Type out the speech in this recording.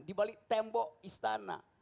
di balik tembok istana